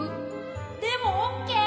でもオッケー！